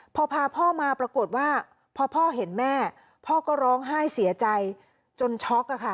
พอพาพ่อมาปรากฏว่าพอพ่อเห็นแม่พ่อก็ร้องไห้เสียใจจนช็อกอะค่ะ